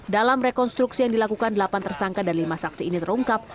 dalam rekonstruksi yang dilakukan delapan tersangka dan lima saksi ini terungkap